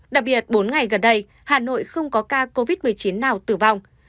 đặc biệt bốn ngày gần đây hà nội không có ca covid một mươi chín nào tử vong